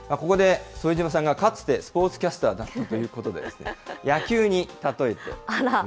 ここで副島さんがかつてスポーツキャスターだったということで、あら、はい。